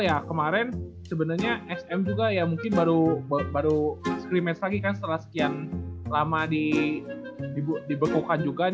ya kemarin sebenarnya ya mungkin baru baru lagi kan setelah sekian lama di dibekukan juga